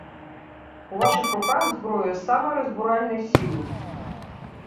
У вашых руках зброя самай разбуральнай сілы!